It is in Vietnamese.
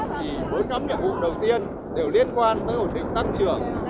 thì bốn nhóm nhiệm vụ đầu tiên đều liên quan tới ổn định tăng trưởng